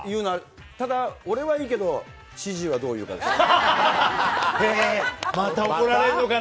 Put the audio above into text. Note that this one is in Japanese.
ただ、俺はいいけど、知事はどう言うかですよ。